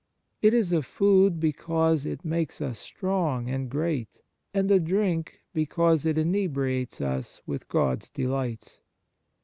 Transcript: It is a food, because it makes us strong and great, and a drink, because it inebriates us with God s delights.